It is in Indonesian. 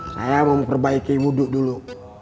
saya memperbaiki wudhu dulu